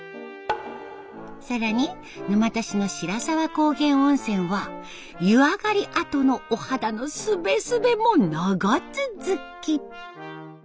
更に沼田市の白沢高原温泉は「湯上がりあとのお肌のスベスベも長続き」。